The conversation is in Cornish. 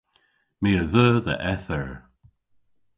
My a dheu dhe eth eur.